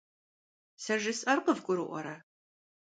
Сэ жысӏэр къывгурыӏуэрэ?